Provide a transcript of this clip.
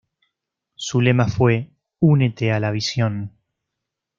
Su lema fue ""Únete a la visión"".